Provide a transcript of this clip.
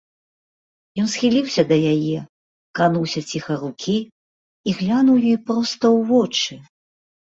Ён схіліўся да яе, крануўся ціха рукі і глянуў ёй проста ў вочы.